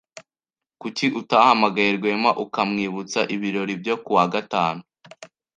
Kuki utahamagaye Rwema ukamwibutsa ibirori byo kuwa gatanu?